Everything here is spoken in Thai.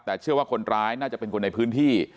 แต่เชื่อว่าคนร้ายน่าจะเป็นคนในพื้นที่